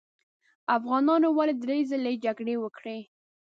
افغانانو ولې درې ځلې جګړې وکړې.